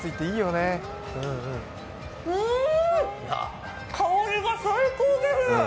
うーん、香りが最高です。